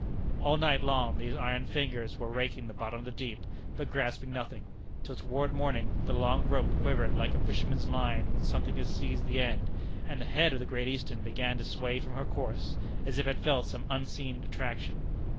All night long those iron fingers were raking the bottom of the deep but grasping nothing, till toward morning the long rope quivered like a fisherman's line when something has seized the end, and the head of the Great Eastern began to sway from her course, as if it felt some unseen attraction.